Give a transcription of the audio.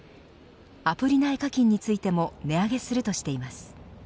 アプリ内課金についても値上げするとしています。